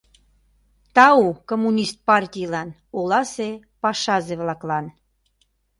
Тау коммунист партийлан, оласе пашазе-влаклан!